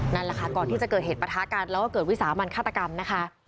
นั่นแหละค่ะก่อนที่จะเกิดเหตุประทะกันแล้วก็เกิดวิสามันฆาตกรรมนะคะ